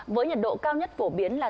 với nhiệt độ cao nhất phổ biến là